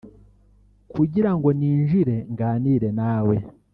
kugira ngo ninjire nganire nawe